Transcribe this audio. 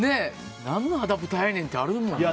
何のアダプターやねんってあるよね。